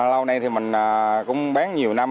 lâu nay thì mình cũng bán nhiều năm